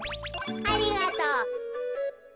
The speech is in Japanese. ありがとう。